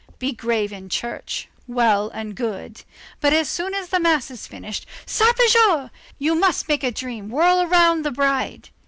Be grave in church, well and good. But, as soon as the mass is finished, sarpejou! you must make a dream whirl around the bride.